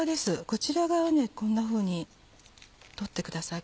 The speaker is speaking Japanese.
こちら側はこんなふうに取ってください。